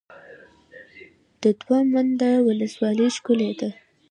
د دوه منده ولسوالۍ ښکلې ده